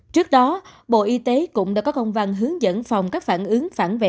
trước đó bộ y tế cũng đã có công văn hướng dẫn phòng các phản ứng phản vệ